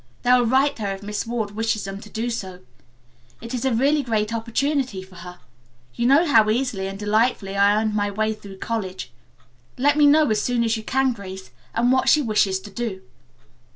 They will write her if Miss Ward wishes them to do so. It is a really great opportunity for her. You know how easily and delightfully I earned my way through college. Let me know as soon as you can, Grace, what she wishes to do."